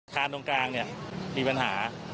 ตรงกลางเนี่ยมีปัญหา